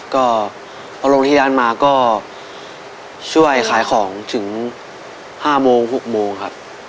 ทับผลไม้เยอะเห็นยายบ่นบอกว่าเป็นยังไงครับ